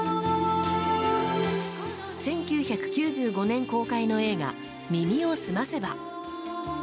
１９９５年公開の映画「耳をすませば」。